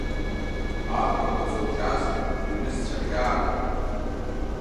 Ахәрақәа заухьаз рҩызцәа хьааргон.